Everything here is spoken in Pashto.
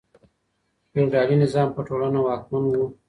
فیوډالي نظام په ټولنه واکمن و.